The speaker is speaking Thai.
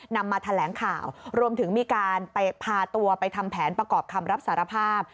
นำมาแถลงข่าวรวมถึงมีการไปพาตัวไปทำแผนประกอบคำรับสารภาพ